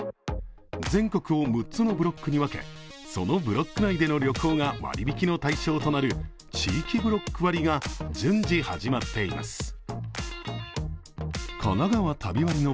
全国を６つのブロックに分け、そのブロック内での旅行が割引の対象となる地域ブロック割が順次始まっています。